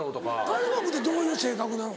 カルマ君ってどういう性格なの？